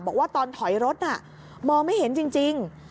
บอกว่าตอนถอยรถน่ะมองไม่เห็นจริง